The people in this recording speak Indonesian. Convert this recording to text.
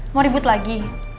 mau ribut lagi